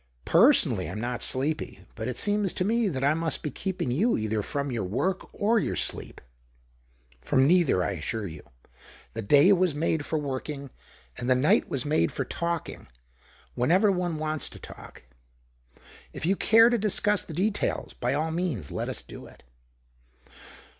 '" Personally, I'm not sleepy. But it seems to me that I must be keeping you either from your work or your sleep." " From neither, I assure you. The day was made for working, and the night was made for talking, whenever one wants to talk. If you care to discuss the details, by all means let us do it."